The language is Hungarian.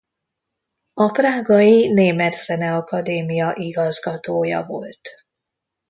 A prágai német zeneakadémia igazgatója volt.